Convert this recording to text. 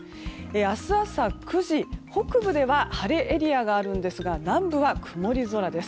明日朝、９時北部では晴れエリアがあるんですが南部は曇り空です。